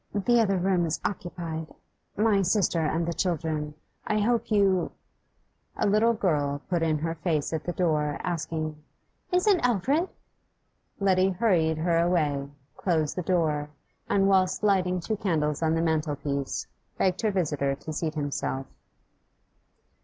'The other room is occupied my sister and the children; I hope you ' A little girl put in her face at the door, asking 'Is it Alfred?' Letty hurried her away, closed the door, and, whilst lighting two candles on the mantelpiece, begged her visitor to seat himself.